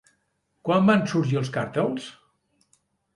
Quan van sorgir els càrtels?